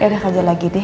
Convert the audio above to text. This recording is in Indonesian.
ya udah kerja lagi deh